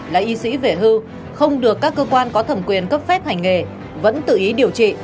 là y sĩ về hưu không được các cơ quan có thẩm quyền cấp phép hành nghề vẫn tự ý điều trị